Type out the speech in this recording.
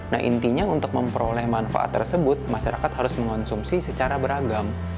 nah intinya untuk memperoleh manfaat tersebut masyarakat harus mengonsumsi secara beragam